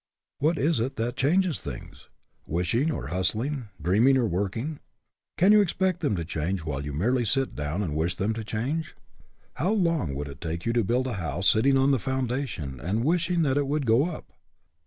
What is it that changes things? Wishing, or hustling? dreaming, or working? Can you expect them to change while you merely sit down and wish them to change? How long would it take you to build a house sitting on the foundation and wishing that it would go up?